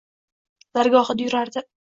Dargohida yurardi.